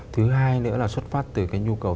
thứ hai nữa là xuất phát từ cái nhu cầu